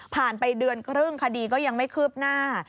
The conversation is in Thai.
ไปเดือนครึ่งคดีก็ยังไม่คืบหน้า